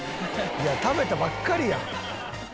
「いや食べたばっかりやん」